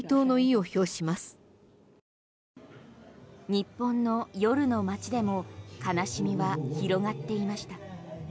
日本の夜の街でも悲しみは広がっていました。